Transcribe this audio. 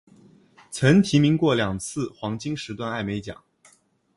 曾提名过两次黄金时段艾美奖。